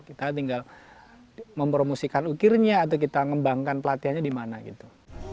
kita tinggal mempromosikan ukirnya atau kita ngembangkan pelatihannya di mana gitu